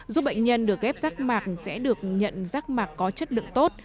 giúp bệnh nhân được ghép rác mạc sẽ được nhận rác mạc có chất lượng tốt